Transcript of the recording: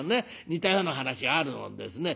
似たような話あるもんですね。